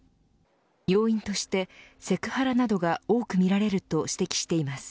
要因としてセクハラなどが多く見られると指摘しています。